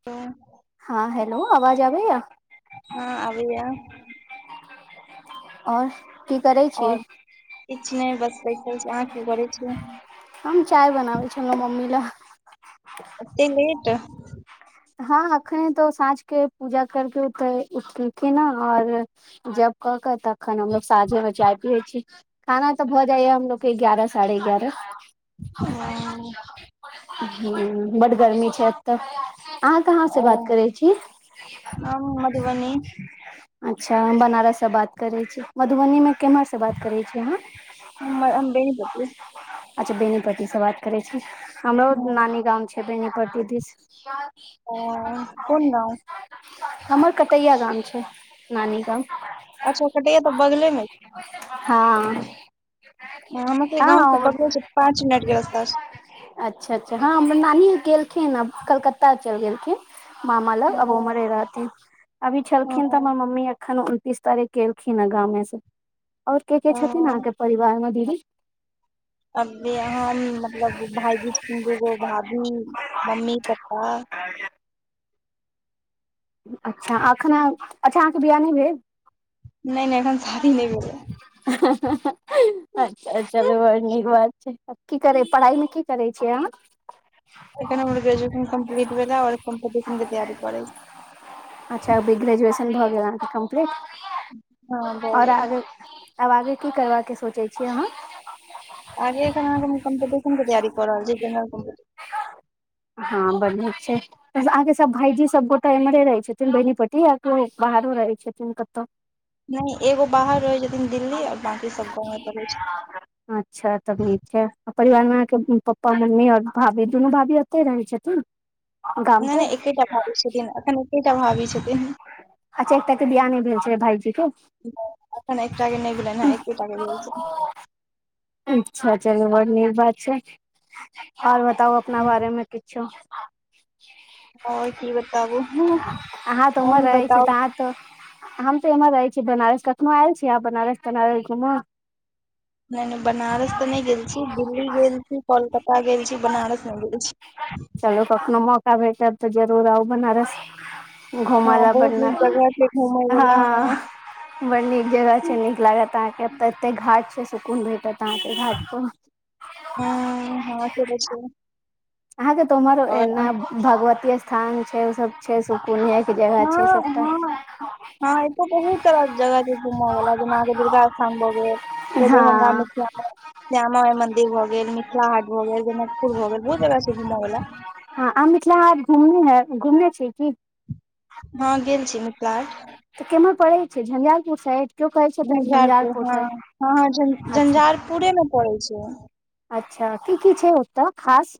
[inaudible] हँ हैेलो आवाज आबैया हँ अबैया और और किछ नय बस बैठल छै अहाँ की करै छीय हम चाय बनाबै छै हमर मम्मी ला एते लेट हँ अखन त साँझ के पूजा करके ओत उठेलखिन और जप कऽ क तखन हमलोग साँझे मे चाय पियै छी खाना त भऽ जाइया हमलोग के एग्यारह साढ़े एग्यारह [inaudible] हुं बड गर्मी छै अत अहाँ कहाँ स ओ बात करै छी हम मधुबनी अच्छा हम बनारस स बात करै छी मधुबनी मे केम्हर स बात करै छी आंहा हमर हम बेनीपट्टी अच्छा बेनीपट्टी सँ बात करै छी हमरो नानी गाम छै बेनीपट्टी दीस [inaudible] ओह कोन गाँव [inaudible] हमर कटैया गाम छै नानी गाम अच्छा कटैया त बगले मे हँ हमर सब के हँ गाँंव स हमर बगले छै पाँंच मिनट के रास्ता छै अच्छा अच्छा ह हमर नानी गेलखिन आब कलकत्ता चैयल गेलखिन मामा लग अब ओ उमरे रहथिन अभी ओ छलखिन त हमर मम्मी अखन उनतीस तारीख केलखिन हे गामे से ओर के के छथिन अहाँ ओ के परिवार मे दीदी अभी हम मतलब भाईजी छथिन दूगो भाभी मम्मी पपा अच्छा अखन आहा अच्छा अहाँके बियाह न‌इ भेल नय नय अखन शादी नय भेलैया हा हा हा अच्छा चलू बड नीक बात छै की करेय पढ़ाई लिखाई करै छी आंहा अखन हमर ग्रेजुएशन कम्प्लीट भेला ओर कॉम्पिटिशन के तैयारी करै छी अच्छा अभी ग्रेजुएशन भऽ गेल अहाँ के कम्प्लीट छी हँ भऽ ओर गेल अगे आब आगे की करबा के सोचैय छियै अहाँ आगे आंहा के हम कम्पिटिशन के तैयारी क रहल छी जेनरल कम्पिटिशन ह बड नीक छै बस अहाँके सब भईजी सब सबगो त इमहरे रहै छथिन बेनीपट्टी आओर कियो बाहरो रहै छथिन कतौ न‌इ एगो बाहर रहै छथिन दिल्ली आ बांकी सब गावे पर रहै अच्छा तब छैथिन नीक छै परिवार मे अहाँके पप्पा मम्मी आओर भाभी दुनू भाभी अतै रहै छथिन गाम न‌इ न‌इ पर एकेटा भावी छथिन एखन एकेटा भावी छथिन अच्छा एकटा के बियाह न‌इ भेल छलै भायजी के ओ अखन एकटा के न‌इ भेलनहाँ एकेटा के भेल छै अच्छा चलू बड नीक बात छै आओर बताउ अपना बारे छनि मे किछो आओर की बताबू आहाँ त उमहर अहीं रहै बताउ छीत आहाँ त हमत एमहर रहै छी बनारस कखनो आएल छीयै आहाँ बनारस तनारस घुम‌ न‌इ न‌इ बनारस त नै गेल छी दिल्ली गेल छी कोलकत्ता गेल छी बनारस न‌इ गेल छी चलु कखनो मौका भेटत त जरूर आउ बनारस घुम‌ हँ ला बहुत बना नीक जगह छै घूमय वला हँ बड नीक जगह छै नीक लागत अहाँके अत एते घाट छै सुकुन भेटत अहाँके घाट प हुं हँ से त छै अहा के त उमरो आओर ऐने अहाँ- भगवती स्थान छै ओ सब छै सुकुन या के जगह छै हँ सबटा हँ हँ एतो बहुत तरह के जगह छै घूमऽ वाला जेना अहाँके दुर्गा स्थान भऽ गेल [unintelligible] हँ दरभंगामे श्यामा श्याम माइ मदिर भऽ गेल मिथिला हाट भऽ गेल जनकपुर भऽ गेल बहुत जगह छै घुम वला हँ आहाँ मिथिला हाट घुमने है घुमने छी की हँ गेल छी मिथिलाहाट तऽ केमहर पड़ै छै झञंझारपुर साइड केओ कहै छथिन झंझारपुर हँ साइड हँ हँ झं अच्छा झंझारपुरेमे पड़ै छै अच्छा की की छै ओतऽ खास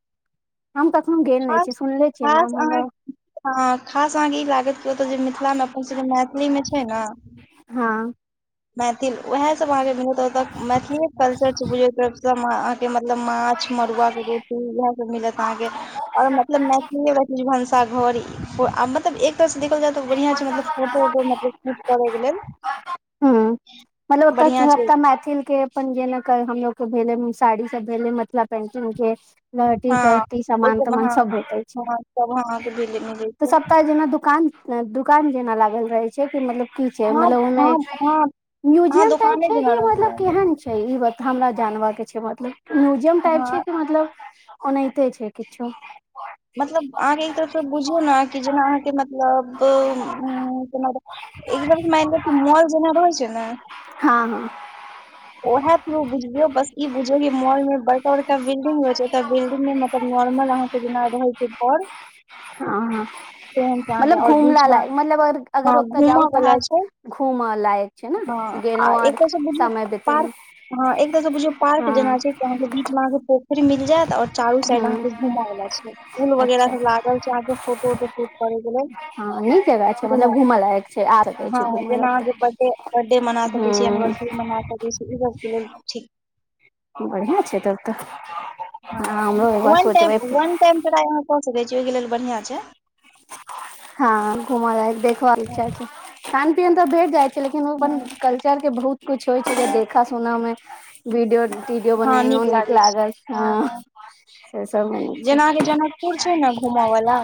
हम कखनो गेल नहि छी खास सुनले छियै खास नाम हमरा अहाँके हँ खास आहाँ ई लागत कि ओतऽ जे मिथिला अपन सबके मैथिलीमे जे छै ने, हँ। मैथिल उएह सब अहाँके मिलत मैथिलीए कल्चर छै बुझ तर, [unintelligible] म अहाँके मतलब माछ मड़ुआ के रोटी इएह सब मिलत अहाँके, आओर मतलब मैथिली भनसाघर मतलब एक तरह स देखल जाय। बढ़ियां छै मतलब फोटो वोटो मतलब शूट करै के लेल। हँ मतलब बढ़िया छै ओतऽ मैथिल के अपन जेनेट कज हमलोग के भेले साड़ी सब भेले मिथिला पेंटिंग के लहटी हँ तहटी ओहि सामान तामान हँ सब भेटै छै हँ सब अहाँके मिलै मिलै तऽ छै सप्ताह जेना दुकान दुकान जेना लागल रहै छै कि मतलब की छै हँ मतलब हँ ओईमे हँ अहाँ म्यूजियम त दोकाने छै जेना कि रोइक मतलब लेबै केहन, छै ई बात हमरा जानब के छै मतलब म्यूजियम टाइप हँ छै कि मतलब, ओ नाहिते छै किछो मतलब अहाँके एक तरफसँ बुझू न कि जेना अहाँके मतलब उ जेना, एक म मएल लिय जेना रहै छै ने, हँ हँ ओह फ्रू बुझिय बस ई बुझियौ कि मॉल मे बड़का बड़क बिल्डिंग होय छै ओ बिल्डिंग नै मतलब नॉर्मल आहाँ ओई दिना रहै छै पर ह मतलब घुमला मे लायक मतलब हँ अगर ओतऽ जाउ घूमऽ त वला अहाँ छै घूमत लायक छै हँ ने गेलौ आर समय बितेलहुँ ह एत तऽ बुझियो पार्क जेना हँ छैहं के बीच मे अहाँ के पोखरि मिल जेएत और चारू साइड अहं हूँ के घुमवला छै फुल वगैरह अच्छा सब लागल छै फोटो उोटो शूट करैके लेल हँ नीक जगह छै जेना मतलब घूमय लायक छै आर हँ छै घूम ल जेना ओते अहाँके बर्थडे बर्थडे मना सकै छी एनिवर्सरी मना सकै छी ई सबके लेल ठीक बढ़िआं छै तब तऽ हँ हमरो एक बार वन टाइम सोचबै वन टाइम ट्राय‌ कसकै छी ओय‌ के लेल बढ़ियां छै हँ घुमा लायक देखब च खान पियन तऽ भेट जाइ छै लेकिन ओ अपन हँ कल्चर के बहुत कुछ होइ छै देखा सुना मे वीडियो टीडियो बनेलौ नीक लागै छै लागल हँ ह से सब [unintelligible] छै जेना अहाँके जनकपुर छै ने घूमऽ वला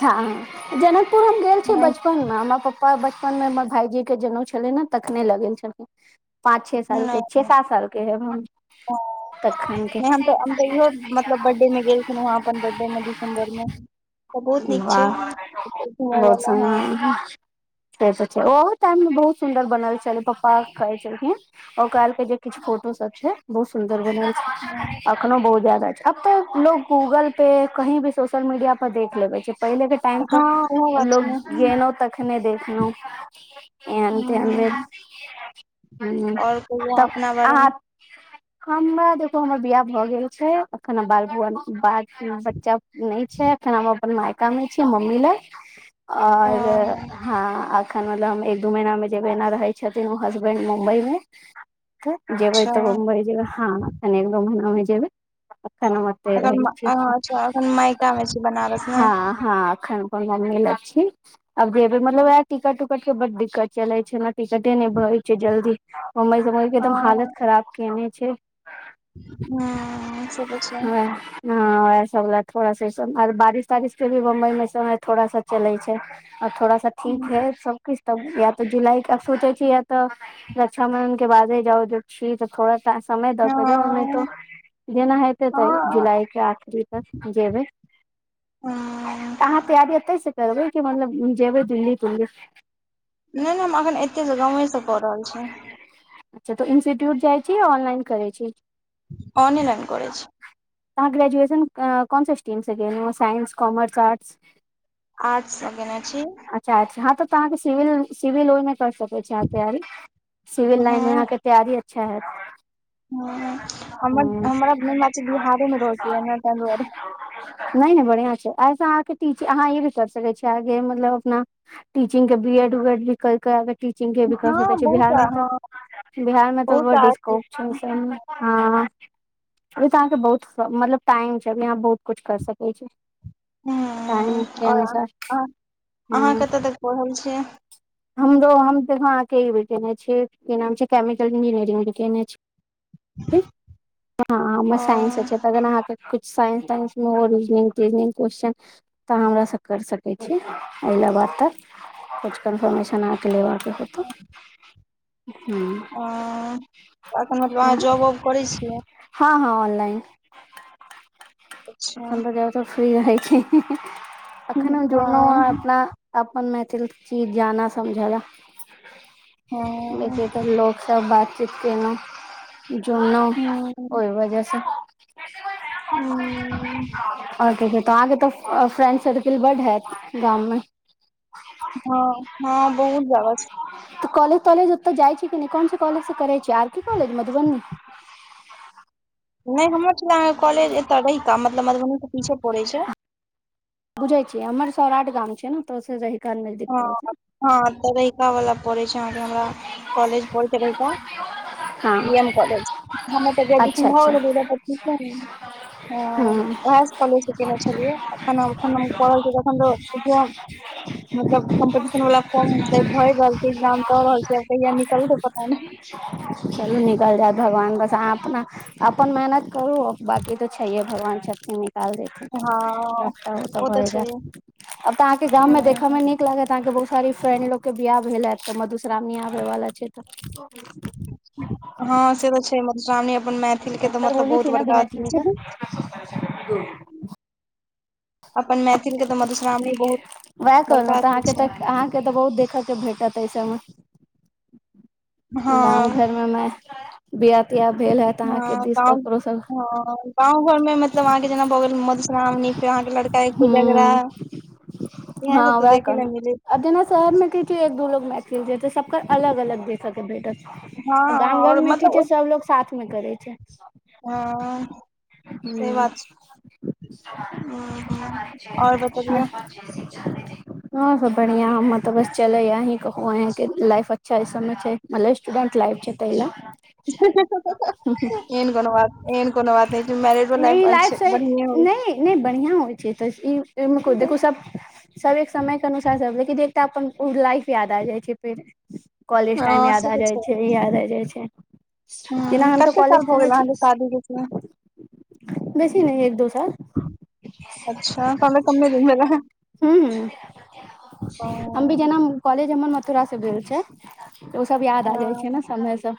हँ जनकपुर हम गेल छी नहि बचपनमे हमर प्पा पा बचपन मे हमर भाईजी के जनउ छले ने तखने लगेल छल पाँच छे हाँ, सालके छे सात साल के हेभ हम तखन के नै हम तऽ हम तऽ इहो मतलब बर्थडे मे गेल छलौ वहाँ अपन बर्थडे मे दिसम्बर मे तऽ बहुत नीक छै वाह घुमय बहुत वला हँ [unintelligible] से ओहो टाइम मे बहुत सुन्दर बनल छलै पप्पा कहै छलखिन ओकर जे किछु फोटो सब छै बहुत सुन्दर बनल छै अखनो बहुत जादा छै अब तऽ लोक गूगलपे कहीं भी सोशल मीडिया पर देख लेबै छै पहिलेके हँ इहो बात छै ने लोक गेलौ तखने खने देखलहु एहन तेन भेल हँ ह आओर कहियौ अहाँ तब अपना अहाँ [inaudible] हमरा देखू हमर बियाह भऽ गेल छै एखन बाल [unintelligible] बच्चा नै छै एखन हमर अपन मायका मे छी मम्मी लग आओर हँ ह एखन मतलब हम एक दू महीना मे जेबना रहै छथिन ओ हसबेंड मुम्बई मे जेबै अच्छा तऽ मुम्बइ जेबै हँन एखैन एक दो महीना मे जेबै एखैन एखन मैं स अच्छा एखन मायका मे छै बनारस ने हँ हँ अखैन अपन मम्मी लग छी आब जेबै मतलब उहे टिकट उकट ट के बड दिक्कत चले छै ने टिकटे नहि भेए छै जल्दी मुम्बइ समय क एकदम हालत खराब केने छै हुॅं से त छै वैह हँ इह सब थोड़ा सास बारिश तारिश के भी बम्बई मे समय थोड़ा सा चलै छै आओर थोड़ा सा ठीक है सबकिछु तब या तऽ जुलाई के सोचै छी या तऽ रक्षााबंधन के बादे जाउ छी त थोड़ा समय दऽ प हँ ओनैतो तऽ जेना हेते तऽ हँ जुलाई के आखिरी तक जेबै हुॅं तऽ अहाँ तैयारी एतै से करबै कि मतलब जेबै दिल्ली तुल्ली नै नै हम अखन एतेसँ गावेसँ कऽ रहल छी अच्छा त इन्स्टिट्यूट जाइ छीऑनलाइन करै छी ऑनेलाइन करै छी त अहाँ ग्रेजुएशन कोनस स्टीम से केलौ साइंस कॉमर्स आर्ट्स आर्ट्स स केने छी च हँ तऽ अहाँके सिविल सिविल ओहिमे कर सक [unintelligible] सिविल लाइन मे अहाँके तैयारी अच्छा हयत हं हमरा मुन बिहारे मे रहतै ने ताहि दुआरे [unintelligible] नय नय बढ़िआं छै आइ सऽ अहाँके टीच अहाँ ई भी कर सकै छियै आगे मतलब अपना टीचिंग के बी एड उएड भी कै क टीचिंग के भी कऽ सकै हँ छी बहुत बिहार मे हँ तऽ बिहार मे तऽ बहुत बड्ड आर्ट चीज स्कोप छै ओई सब मे हँ अभी तऽ अहाँके बहुत मतलब टाइम छै अभी अहाँ बहुत कछ कर सकै छी टाइम के आओर अनुसार अहाँ अहाँ हूं कतऽ तक पढ़ल छियै हमरो हम देख हां के ई भी केने छीयै की नाम छै केमिकल इंजीनियरिंग भी केने छी हँ हमे ओ साइंस छै त अगर अहाँके कुछ साइंस ताइंस मे होल तनिंग क्वस्न तऽ हमरा सब कर सकै छी अला बाद तक कुछ कन्फर्मेशन आके लेबाक के हेतौ हं अह जॉब आउब करै छियै हँ हँ ऑनलाइन अच्छा हमर जगह तऽ फ्री रहै छै अखन हम जुड़लौं हँ अपना अपन मैथिल चीज जानऽ समझऽ लेऽ हम्म बेैसे तऽ लोकसभ बातचीत केयलौंह जोरनाय ओहि वजह सऽ हूं अहाँके तऽ फ्रेंड सर्किल बड्ड हेऽत गाम मे ह हँ हँ बहुत जादा छै तऽ कॉलेज तॉलेज ओत जाइ छै कि कोन कॉलेज से करै छी आर के कॉलेज मधुबनी नहि हमर छला कॉलेज एतय रहिका मतलब मधुबनीके पीछे पड़ै छै बुझै छियै हमर सौराठ गाम छै न त रहिका नजदीक हँ पड़ै छै हँ तऽ रहिका वाला पड़ै छै अहाँके हमरा कॉलेज पऽ छै रहिका हँ बी एम कॉलज हम तऽ अच्छा ग्रेजशन अच्छा भ ह हँ ओहे काॅलेज केने छलियै त त मतलब कम्पटीशन वाला फॉर्म भरि रहल छि एगजाम द रहल छै कहिया निकलतै पता नय चलू निकलि जायत भगवान बस अपना अपन मेहनत करू बाकी तो छैहे भगवान छथिन निकाल देत हँ सबटा ओ त हो तऽ जाय छै अब तऽ अहाँके गाम मे देखऽ हँ मे निक लागत अहां के बहुत सारी फ्रेंड लोग के बियाह भेल हैत तो मधुश्रामणी आबय वाला छै त हँ से तऽ छै मधुश्रावणी अपन मैथिल के तऽ डॉक्टर मतलब बहुत बड़का अथी छै ठ अपन मैथिल के तऽ मधुश्रावणी बहुत वएह कहलौ बड़का तऽ अथी अहाँके छै। तऽ अहाँके तऽ बहुत देखय के भेटत एहि सभ मे गांम हँ। घर मे बियाह तियाह भेल हैत ह अहाँके दिस गाँंव ककरो सब हं गांव घर मे मतलब अहाँके जेना ब मधुश्रावणी फेर अहांके लड़का कोजगरा हूँ येहे सब त देखै लै मिलै छै शहर मे की छै एक दू लोग मैथिल जेते सबके अलग अलग देख के भेटत हँ छै गाम घर आओर मे की मतलब छै सभ लोग साथ मे करै छै हं से बात ह छै और बतबियौ [unintelligible] हँ हँ बढ़िया हमर तऽ बस चलैया अहि कहु अहां के लाइफ अच्छा सब मे छै भले स्टूडंट लाफ छेय तेय लऽ एहन कोनो न बात एहन नै कोनो बात नहि छै मैरिजो लाइ नहि ई लाइफ से बढ़ि हो नहि नहि बढ़िया होइ छै तऽ ईमे छै। देखु सब सब एक समय के अनुसार सब लेकिन एकटा अपन लाइफ याद आ जाइ छै फेर कॉलेज टाइम हँ याद से आ तऽ जाइ छै याद आ जाइ छै दना हूँ हम तऽ कते साल कॉलज के भऽ न गेल अहाँके छी शादी के से बेसी नहि एक दो साल अच्छा कमे कमे दिन भेलय हू हू हम भी जेना कॉलज हमर मथुरा से भेल छै ओ सब याद आ जाइ छै ने हँ समय सब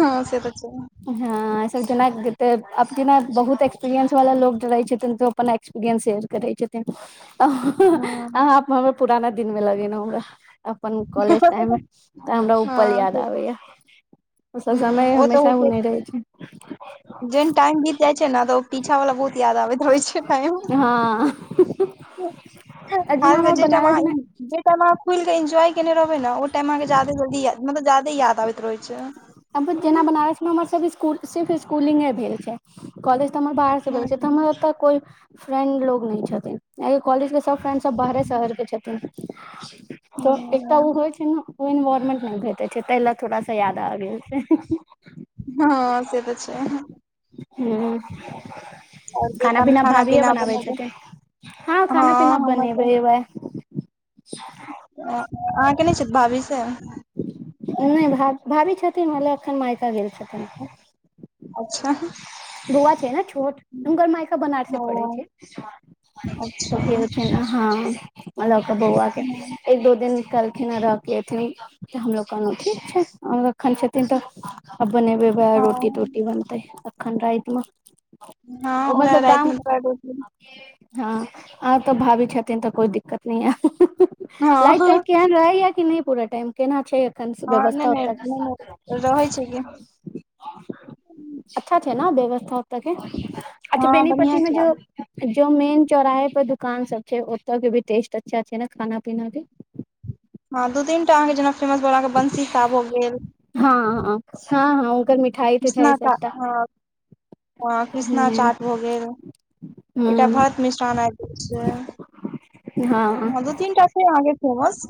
हँ से तऽ छै हँऐ सब जेनाते अब जेना बहुत एक्सपीरियंस वाला लोग रहे छथिन तऽ अपन एक्सपिरियंस शेयर करै छथिन हँ अहाँ पुराना दिन मे लगेेलहुं हमरा अपन कॉलेज टाइम मे तऽ हमरा ओ पल हँ याद से आबेया ओ सब समय हूं हमेशा ओ नहि रहै छै जेन टाइम बीत जाइ छै ने तऽ पीछा वला बहुत याद आबैत होइ छै टाइम हँ जेना हालके हमर जे टाइम बनारस आहाँ मे जे टाइ अहाँ खुल कें इन्जॉय केने रहबै नऽ ओ टाइम अहाँ के ज्यदा जल्दी याद मतलब जाादे याद आबैत रहै छै जेना बनारस मे हमर सबक सिर्फ स्कूलिंगे भेल छै कॉलेज बाहर से हमर ओ कोइ फ्रेंड लोग नहि छथिन कॉलेज के सब फ्रेंड सब बाहे शहर के छथिन तऽ एकटा ओ होइ छै ने ओ इन्वायरमेंट नहि भेटैत छै ताहि लए थोड़ा सा यादा आब गेल छै हँ से तऽ छै ह और कहियो तऽ खाना भाभीए पीना बनाबै बनेब छथिन खाना हँ पीना हमर तऽ बनेबेबै अहाँके नहि छैथ भाभी से नहि भ भाभी छथिन हेलय एखन मायिका गेल छथिन अच्छा बऊआ छै नऽ छोट हुनकर मायका बनारसे ओ पड़े छै तऽ अच्छा गेल छै हँ लऽ के बौआ के हँ एक दो दिन निकलखिन रह के हमलोग कहलउ ठीक छैखन छै एखन छथिन तऽ आ बनेबे उहाय रोटी तोटी बनतै अखन रातिमे हँ ओह राइत मऽ [unintelligible] हँ आ तऽ भाभी छथिन तऽ कोइ दिक्कत नहि यऽ हँ लाइटइट कहन रहै या कि नहि पूरा टाइम केना छै एखन हँ नहि व्यवस्था नहि ओतय नहि नहि रहै छै कि अच्छा छै ने व्यवस्था ओतऽ के अच्छा हँ बढ़िआँ बेनीपट्टी मे छै जो आब जो मेन चौराहे पर दुकान सब छै ओतऽ के भी ेस्ट अच्छा छै नऽ खाना पीना के हँ दू तीन टा अहाँके जेना फेमस भेल अहाँके बंसीसाह भऽ गेल हँ हँ हँ हँ [unintelligible] मि कृष्णा चा हऽ कृष्णा हूँ चाट भऽ गेल एकटा हूँ भरत मिश्रण आबि गेल छै हँ दू तीनटा छै आहाँके फेमस